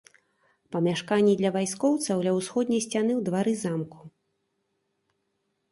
Памяшканні для вайскоўцаў ля ўсходняй сцяны ў двары замку.